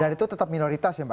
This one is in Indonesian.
dan itu tetap minoritas